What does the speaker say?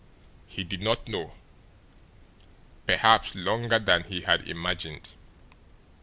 He did not know perhaps longer than he had imagined.